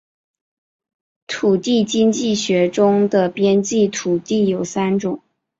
土地经济学中的边际土地有三种